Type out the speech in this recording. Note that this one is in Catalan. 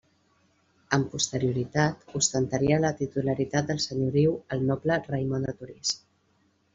Amb posterioritat, ostentaria la titularitat del senyoriu el noble Raimon de Torís.